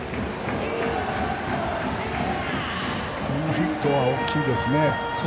このヒットは大きいですね。